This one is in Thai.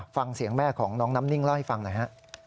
ฟังเสียงแม่ของน้องน้ำนิ่งเล่าให้ฟังหน่อยฮะ